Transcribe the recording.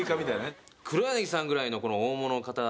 黒柳さんぐらいの大物の方でも。